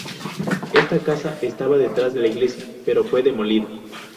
Esta casa estaba detrás de la iglesia, pero fue demolida.